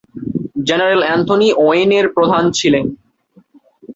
General Anthony Wayne এর প্রধান ছিলেন।